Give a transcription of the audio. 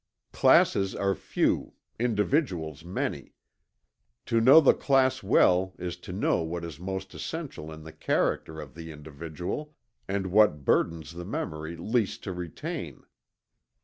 Classes are few, individuals many: to know the class well is to know what is most essential in the character of the individual, and what burdens the memory least to retain."